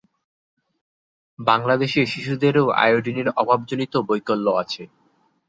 বাংলাদেশে শিশুদেরও আয়োডিনের অভাবজনিত বৈকল্য আছে।